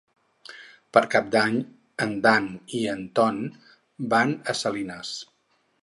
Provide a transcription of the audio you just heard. Per Cap d'Any en Dan i en Ton van a Salines.